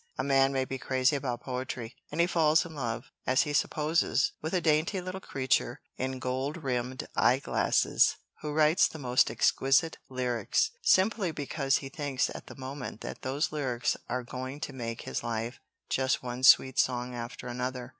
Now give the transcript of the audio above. A man may be crazy about poetry, and he falls in love, as he supposes, with a dainty little creature in gold rimmed eyeglasses, who writes the most exquisite lyrics, simply because he thinks at the moment that those lyrics are going to make his life just one sweet song after another.